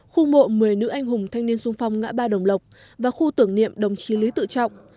khu mộ một mươi nữ anh hùng thanh niên sung phong ngã ba đồng lộc và khu tưởng niệm đồng chí lý tự trọng